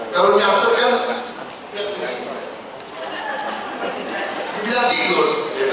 kalau nyater kan dibilang tidur